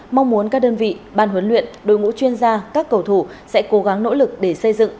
mong muốn các đơn vị ban huấn luyện đội ngũ chuyên gia các cầu thủ sẽ cố gắng nỗ lực để xây dựng